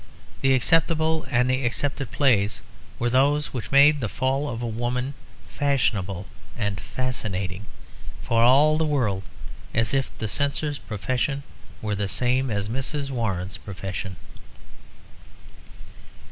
The acceptable and the accepted plays were those which made the fall of a woman fashionable and fascinating; for all the world as if the Censor's profession were the same as Mrs. Warren's profession.